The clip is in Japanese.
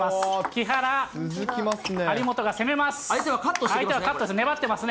木原、張本が攻めます。